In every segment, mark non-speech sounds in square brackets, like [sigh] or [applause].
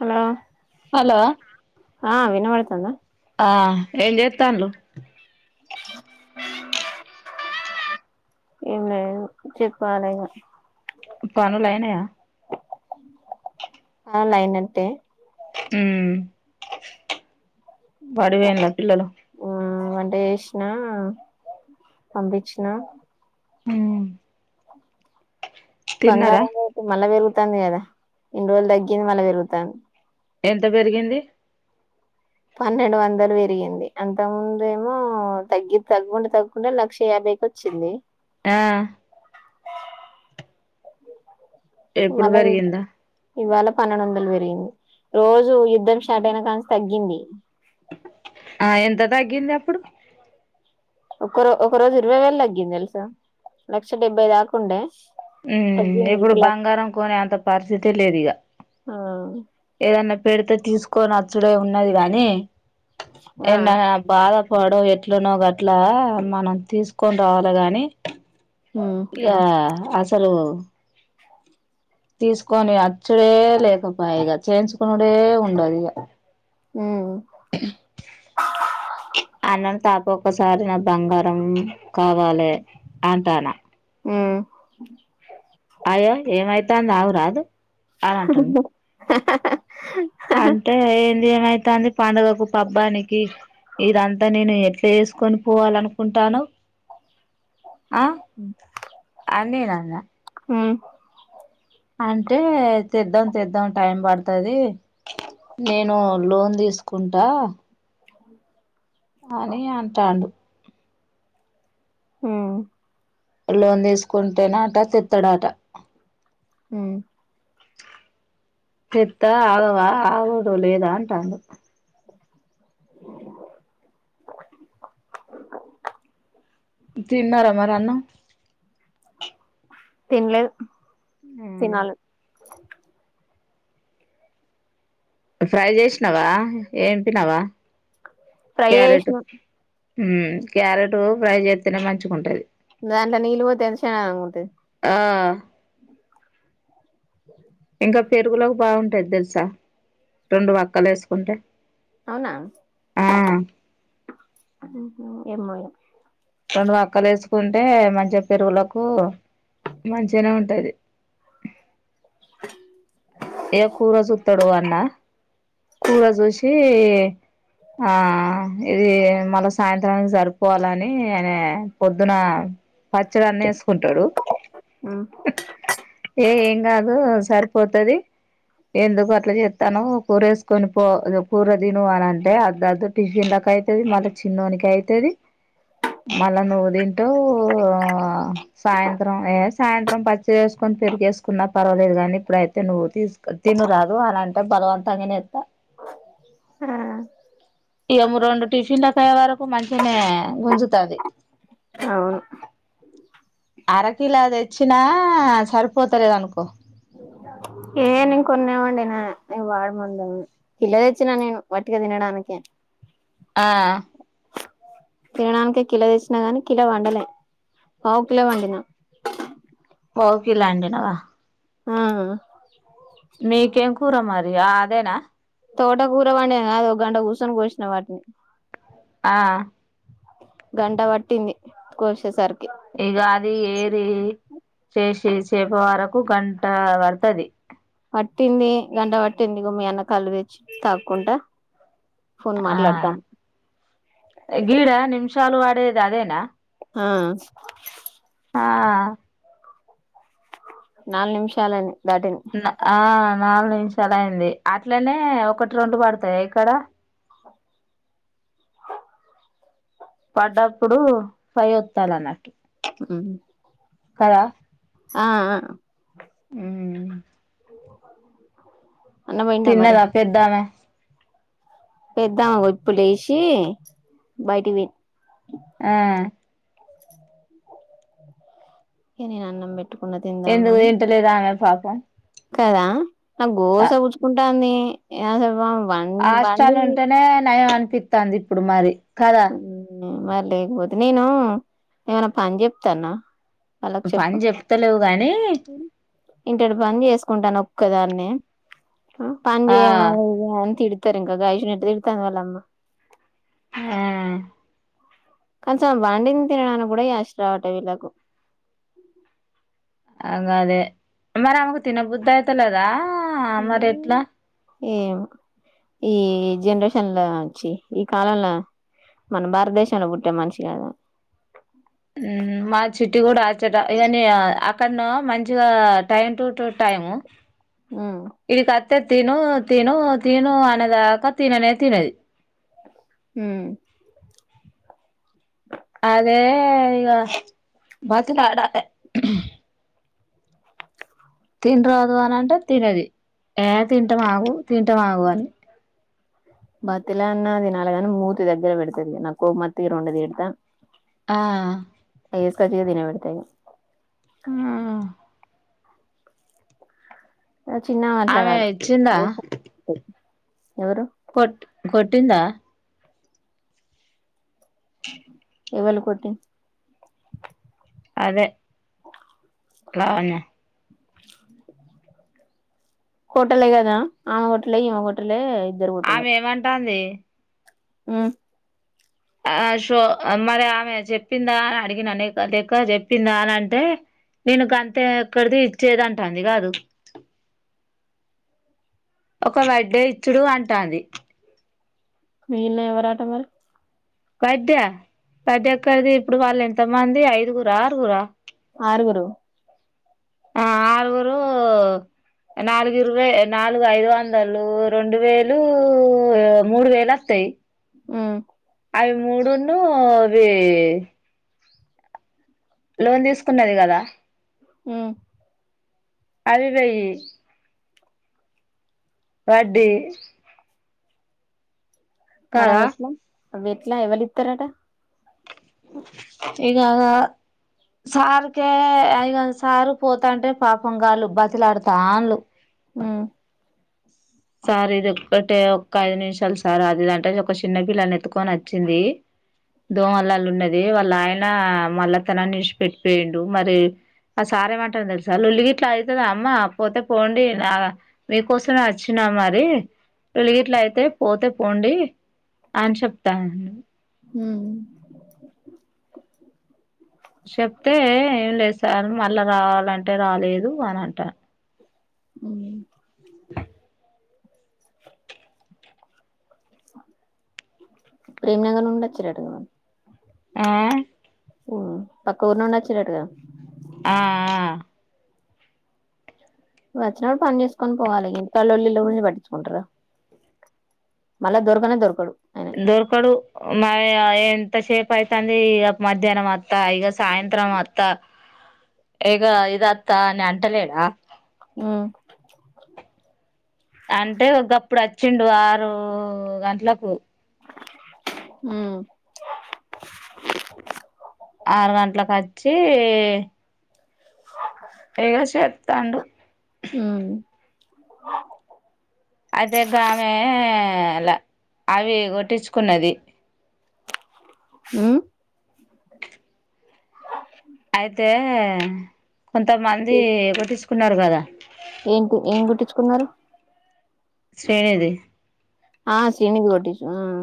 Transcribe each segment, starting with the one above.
Hello hello ఆ వినబడుతుందా ఆ ఏంజ తాండ్లు ఏం లేదు చెప్పాలిగా పనులైనయా పనులైనట్టే ఉమ్ బడికి పొయ్యిల్లా పిల్లలు వంటే చేసినా పంపించిన ఉమ్ బంగారం రేటు మల్ల పెరుగుతది తగ్గింది కదా ఇన్ని రోజులు తగ్గింది మళ్ళీ పెరుగుతుంది ఎంత పెరిగింది పన్నెండు వందలు పెరిగింది అంత ముందుేమో తగ్గి తగ్గుకుంటా తగ్గుకుంటే లక్ష యాభైకి వచ్చింది ఆ ఎప్పుడు మళ్ళవు పెరిగిందా ఇవాళ పన్నెండు వందలు పెరిగింది రోజు యుద్ధం స్టార్ట్ అయిన కాంచి తగ్గింది ఆ ఎంత తగ్గింది అప్పుడు ఒకరో ఒక రోజు ఇరవై వేలు తగ్గింది తెలుసా లక్ష డెబ్బై దాకా ఉండే ఉమ్ ఇప్పుడు బంగారం కొనే అంత పరిస్థితే లేదు ఇగ ఏదన్న పెడితే తీసుకొని అచ్చుడే ఉన్నది గాని ఆ ఎన్నా భాగం పడో ఎట్లనో గట్లా మనం తీసుకొని రావాలి గాని ఉమ్ ఇగ అసలు [inaudible] తీసుకొని అచ్చుడే లేక పాయే ఇగ చేయించుకున్నాడే ఉండదు ఇగ ఉమ్ అన్నను తాకోబ్ ఒసారి నా బంగారం కావాలే అంటాన ఉ అయ్యో ఏమైతాంది ఆగరాదు అని అంటాను అంటేన్ ఏమైతాంది పండుగకు పబ్బానికి ఇదంతా నేను ఎట్లా వేసుకొని పోవాలనుకుంటా అన్నావ్ ఆ అన్నయ్య నా లా ఉ అంటే తెద్దాం తెద్దాం టైం పడుతది నేను లోన్ తీసుకుంటా అ అని అంటాడు ఉ లోన్ తీసుకుంటేనే అట తెత్తాడాట ఉ తేత్తా ఆగవా ఆగుడు లేదా అంటాడు తిన్నారా మరి అన్నం తిన్లే తినాలి ఫ్రై చేసినవా ఏంపినావా ఫ్రై ఏసినం హ్మ్ క్యారెట్ ఫ్రై చేస్తేనే మంచిగా ఉంటది దాంట్ల నీళ్లు వోతే ఎంత చండాలంగా ఉంటది ఆ ఇంకా పెరుగులోకి బాగుంటాది తెలుసా రెండు వక్కలు వేసుకుంటే అవునా ఆ ఉమ్ ఏం [inaudible] రెండు మక్కలు వేసుకుంటే మంచిగా పెరుగులకు మంచిగానే ఉంటది కూర చూస్తాడు అన్న కూర చూసి ఆ ఇది మళ్ళా సాయంత్రానికి సరిపోవాలని ఆన పొద్దున పచ్చడి అన్ని వేసుకుంటాడు ఉమ్ ఏ ఏం కాదు సరి పోతది ఎందుకు అట్లా చెస్తానవు కూర వేసుకొని పో కూర తిను అని అంటే అద్ టిఫిన్ లకి అవుతుది మళ్ళా చిన్నోనికి అయితుది మళ్ళా నువ్వు తింటవు సాయంత్రం ఏ సాయంత్రం పచ్చిడి వేసుకొని పెరిగ వేసుకున్నా పర్వాలేదు కానీ ఇప్పుడయితే నువ్వు తీసుకు తినురాదు అలా అంటే బలవంతంగానే ఎస్టా ఆ ఇము రెండు టిఫిన్ల కి అయి వరకు మంచినే గుంజుతుది అవును అరకిలో తెచ్చినా సరిపోతలేదు అనుకో ఏ నేను కొన్నావండిన వాడముందు [inaudible] ఆ తినడానికి కిలో తెచ్చిన గాని కిలో వండలే పావు కిలో వండినా పోకిలాండినావా ఆ మీకేం కూర మరి అదేనా తోట కూరవండిన కాదు ఒక గంట కూర్చొని కోసిన వాటిని ఆ గంట వట్టింది కోర్శ సర్కి ఇగ అది ఏరి చేసి చేప వరకు గంట పడుతది పట్టింది గంటా పట్టింది ఇగో మ్మి అన్న కళ్ళు తెచ్చి తాకుంటా ఆ గిడ నిమిష షాలు వడేది అదేనా ఆ ఆ నాలు నిమిషలాయింది ఆ నాలుగు నిమిషాలు అయింది అట్లనే ఒకటి రెండు పడతాయి ఇక్కడ పడ్డప్పుడు ఫైఓత్తాల అనట్టు ఆ ఆ [inaudible] తిన్నదా పెద్దామే పెద్దాం ఇప్పుడు లేసి బయటికి పోయి ఆ ఏని నాన్నంబెట్ ఎందుకు తింటాలేదామే పాపం కదా ఆ గోస గుచ్చుం తంది ఇగ అసలు పాపం ఆష్టాలు ఉంటేనే నయం అనిపితంది ఇప్పుడు మరి కద మరి లేకపోతే నేను ఏమైనా పని చెప్తానా వాళ్ళకి చెప్పు పని చెప్తలేవు గాని ఇంటేడు పని చేసుకుంటన ఒక్కదాన్ని పని ఆ జెయ్యవు అని తిడ్ సరే ఇంకా గ ఐషు ఎట్టా తిడతందివల్లమ హా కొంచెం వండింది తినడానికి కూడా యాష్ట రావాటే వీళ్ళకు అ అదే మరి ఆమకు తినబుద్ధ ఐతలేదా ఆ మరి ఎట్లా ఏమో ఈ జనరేషన్ లో వచ్చి ఈ కాలంలో మన భారతదేశంలో పుట్టే మనిషి కాదు ఊ మా చిటీ కూడా చట ఇయాన్ని యా అ అక్కన్న మంచిగా టైం టు టు టైము ఊ తే తిను తిను తిను అనేదాక తిననే తినది ఊ అదే ఇక బతిలాడాలే తినరాదు అని అంటే తినది ఏ తింటం ఆగు తింటం ఆగు అని బతిల అన్నది నాలుగ అంద మూతి దగ్గర పెడతది నాకు కోమత్త ఇగ రెండు తిడతా ఆ అయ్ ఏస్కాచి ఇగ తినవేడ్త ఇగ ఆ ఆ చిన్నామే అట్లా ఆమె కాదు ఇచ్చిందా ఎవరు కొట్ కొట్టిందా ఎవళు కొటి అదే లావణ్య కోటలేగదా ఆమ కోటలే ఈమ కోటలే ఆ మేమంటంది ఉం ఆ షో మరి ఆమె చెప్పిందా అని అడిగినా నీకు చెప్పిందా అని అంటే నేను గంతే ఎక్కడిది ఇచ్చేది అంటుంది కాదు ఒక బడ్డే ఇచ్చుడు అంటంది మెయిన్న ఎవరాటా మరి పడ్డ పది ఎక్కడిది ఇప్పుడు వాళ్ళు ఎంత మంది ఐదుగుర ఆరుగుర ఆరుగురు ఆ ఆరుగురు నాలుగు ఇరవై నాలుగు ఐదు వందలు రెండు వేలు మూడు వేలు వస్తాయి ఉమ్ అవి మూడును అవి లోన్ తీసుకున్నది కదా ఉం ఆవి వేయి వడ్డీ కదా మరిఅవి ఎట్ల అవి ఎట్లా ఎవళ ఇతారట ఇక సార్కే అ ఈగ సారు పోతాంటే పాపం గాళ్ళు బతిలాడుతాంలు ఉం సార్ ఇది ఒక్కటే ఒ ఐదు నిమిషాలు సార్ అదిదింటే ఒక చిన్నపిిల్లని ఎతుకొని వచ్చింది దోమలలు ఉన్నది వాళ్ళు ఆయన మళ్లతనాన్ని ఇష్పట్టిపోయిండు మరి ఆ సారేమంటార తెలుసా వా లోల్లిగిట్లా అయితంది అమ్మ పోతే పోండి మీకోసం మే అచ్ చ్చిన మరి లోలిగిట్ల అయితే పోతే పోండి అని చెప్తా హ్మ్ చెప్తే ఏం లేద్ సా సార్ మళ్ళా రావాలంటే రాలేదు అని అంట ఉ ప్రేమ్నగర్ నుండి వచ్చిరట వాళ్ళు ఆ హు పక్క ఊరినుండి వచ్చిరటు గా ఆ ఆ వచ్చినప్పుడు పని చేసుకొని పోవాలి ఇంత లొల్లి లొల్లి పట్టించుకుంటార మళ్ళా దొరకనే దొరకడు ఆయన దొరకడు మారి ఆ ఏంత సేప్ పైతాంది ఇగ మధ్యాహ్నం అ తాగి ఇగ సాయంత్రం వత్త ఇగో ఇదొత్త అని అంటలేడ ఉం అంటే ఒకప్పుడు అచ్చిండు ఆరు గంటలకు ఉం ఆరు గంటలకు వచ్చి ఏదొ చేత్తాండు అదె గామె ఆ అలా అవి కొట్టించుకున్నది ఉ అయితే కొంతమంది ఒకటి కున్నార్ గదా ఏంటి ఏం కుట్టించుకున్నారు శ్రీనిధి ఆ శ్రీనిది గొట్టిచు ఉమ్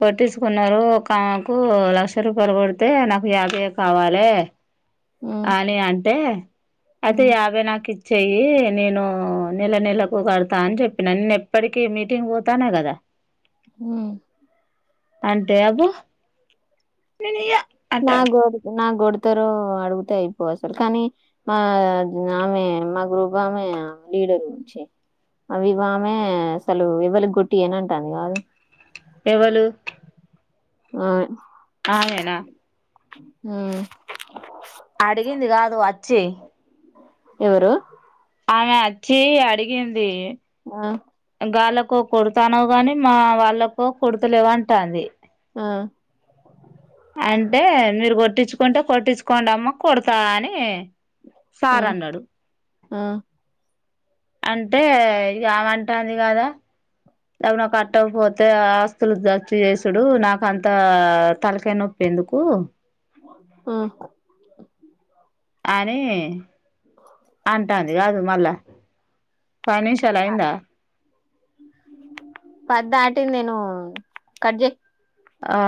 కొట్టిసుకున్నారు ఒకామెకు లక్ష రూపాయలు కొడితె నాకు యాభైయే కావాలె ఉమ్ అని అంటే అయితే ఉమ్ యాభై నాకి చెయ్యి నేను నెల నెలకు గడతా అని చెప్పినా నేను ఎప్పటికి మీటింగ్ పోతాన కద ఉమ్ అంటె అబో నేనియ్య నాక్ గొడితే నాక్ గొడి అతరు అడుగుతే అయిపో అసలు కానీ మా ఆమె మా గ్రూప్ ఆమె లీడరు ఉంచి ఇగో ఆమె అసలు ఎవలికి కొట్టియను అంటాంది కాదు ఎవలు ఒన్ ఆమె నా ఉమ్ అడిగింది గాదు వచ్చే ఎవరు ఆమె అచ్చి ఆడిగింది ము గాళ్ళలకు కొడతాను గాని మా వాళ్ళలకు కొడుతలేవంటాంది. ఆ అంటే మీరు కొట్టించుకుంటే కొట్టించుకోండమ్మా కొడతా అని సార్ ఉమ్ అన్నాడు ఉమ్ అంటే ఇగ ఆమె అంటాంది కదా ఎమన్నా కట్టక పోతే ఆస్తులు జప్తు చేసుడు నాక అంతా తలకాయి నొప్పి ఎందుకు ఉ ఓహో అని అంటాంది కాదు మళ్ళా పనిషలయిందా పద్దంట్టి నేను కట్ ఆ